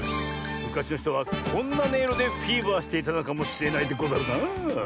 むかしのひとはこんなねいろでフィーバーしていたのかもしれないでござるなあ。